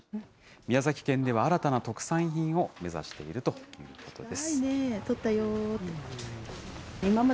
宮崎県では新たな特産品を目指しているということです。